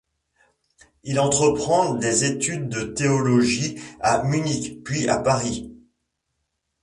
Il entreprend des études de théologie à Munich, puis à Paris.